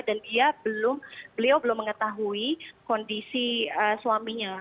beliau belum mengetahui kondisi suaminya